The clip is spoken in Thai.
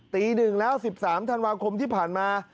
ตี๑แล้ว๑๓ธันวาคมที่ผ่านมา